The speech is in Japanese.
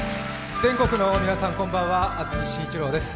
全国の皆さん、こんばんは、安住紳一郎です。